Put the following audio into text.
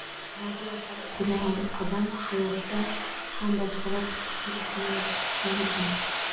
Badiiy asar o‘qigan odam hayotda ham boshqalar his-tuyg‘usini yaxshi tushunar ekan.